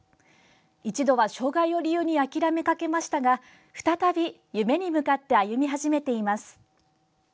一度は障害を理由に諦めかけましたが再び夢に向かって歩み始めています。